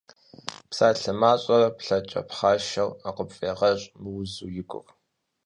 Псалъэ мащӏэрэ плъэкӏэ пхъашэу, къыпфӏегъэщӏ мыузу игу.